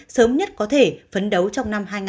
sớm nhất có thể phấn đấu trong năm hai nghìn hai mươi